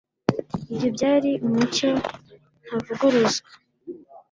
ibyo byari umucyo ntavuguruzwa.